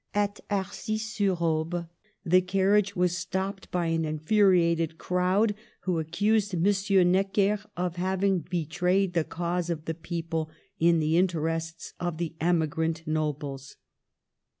At Arcis sur Aube the carriage was stopped by ail infuriated crowd, who accused M. Necker of having be trayed the cause of the people in the interests of the emigrant nobles.